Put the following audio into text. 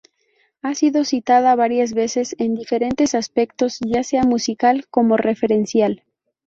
Ha sido citada varias veces en diferentes aspectos, ya sea musical como referencial.